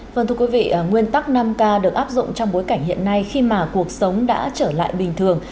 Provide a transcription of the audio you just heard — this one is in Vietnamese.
vâng thưa quý vị nguyên tắc năm k được áp dụng trong bối cảnh hiện nay khi mà cuộc sống đã trở lại bình thường